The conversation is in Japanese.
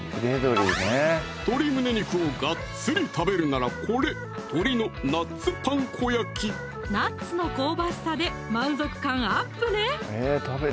鶏胸肉をがっつり食べるならこれナッツの香ばしさで満足感アップね